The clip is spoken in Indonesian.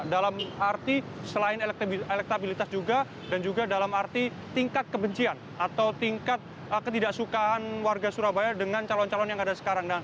dalam arti selain elektabilitas juga dan juga dalam arti tingkat kebencian atau tingkat ketidaksukaan warga surabaya dengan calon calon yang ada sekarang